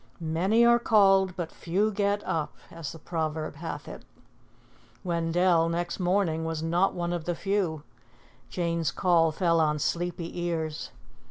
"Many are called, but few get up," as the proverb hath it. Wendell, next morning, was not one of the few. Jane's call fell on sleepy ears.